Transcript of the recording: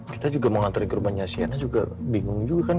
kita juga mau antar ke rumahnya sienna juga bingung juga kan